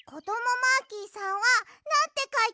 マーキーさんはなんてかいてるの？